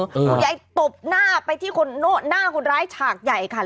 คุณยายตบหน้าไปที่หน้าคนร้ายฉากใหญ่ค่ะ